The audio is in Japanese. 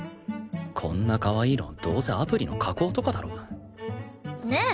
こんなかわいいのどうせアプリの加工とかだろねえ！